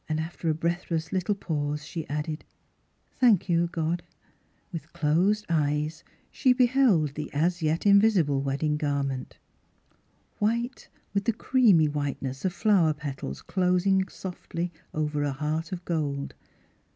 After a breathless little pause she added :" Thank you, God !" With closed eyes she beheld the as yet invisible wedding garment, white with the creamy whiteness of flower petals closing softly over a heart of gold.